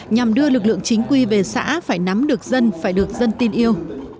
nhằm đưa lực lượng chính quy về xã phải nắm được dân phải được dân tin yêu